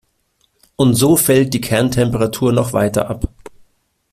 Und so fällt die Kerntemperatur noch weiter ab.